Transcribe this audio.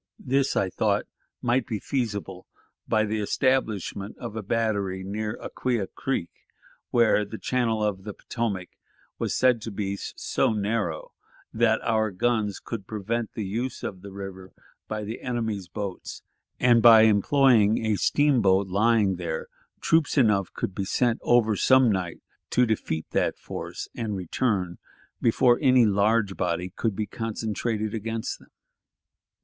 This, I thought, might be feasible by the establishment of a battery near to Acquia Creek, where the channel of the Potomac was said to be so narrow that our guns could prevent the use of the river by the enemy's boats, and, by employing a steamboat lying there, troops enough could be sent over some night to defeat that force, and return before any large body could be concentrated against them.